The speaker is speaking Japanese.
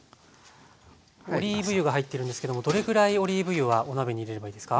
オリーブ油が入ってるんですけどもどれぐらいオリーブ油はお鍋に入れればいいですか？